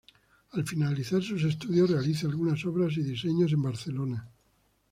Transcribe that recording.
Al finalizar sus estudios realiza algunas obras y diseños en Barcelona.